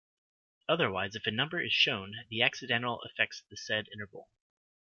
Otherwise, if a number is shown, the accidental affects the said interval.